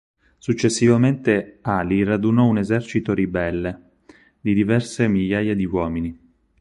Successivamente Ali radunò un esercito ribelle di diverse migliaia di uomini.